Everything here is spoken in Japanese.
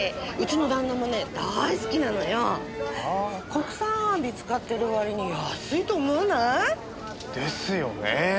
国産あわび使ってる割に安いと思わない？ですよね。